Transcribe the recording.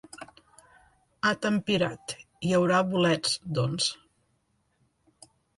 Ha tempirat: hi haurà bolets, doncs.